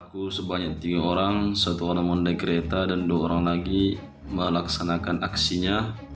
aku sebanyak tiga orang satu orang mendai kereta dan dua orang lagi melaksanakan aksinya